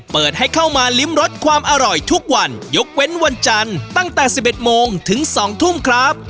เปิดให้เข้ามาลิ้มรสความอร่อยทุกวันยกเว้นวันจันทร์ตั้งแต่๑๑โมงถึง๒ทุ่มครับ